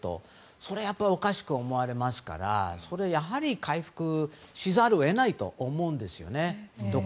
それはやっぱりおかしく思われますからそれから回復せざるを得ないと思うんですよね。